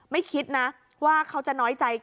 ไม่คิดนะว่าเขาจะน้อยใจ